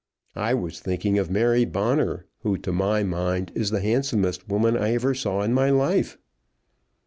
I was thinking of Mary Bonner, who, to my mind, is the handsomest woman I ever saw in my life."